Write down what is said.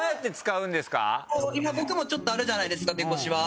今僕もちょっとあるじゃないですかデコシワ。